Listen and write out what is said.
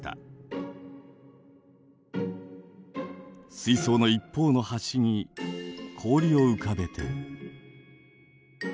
水槽の一方の端に氷を浮かべて。